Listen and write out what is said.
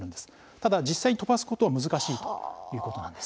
ただ実際に飛ばすことは難しいということなんです。